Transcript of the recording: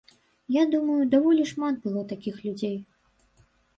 Я думаю, даволі шмат было такіх людзей.